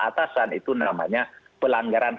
atasan itu namanya pelanggaran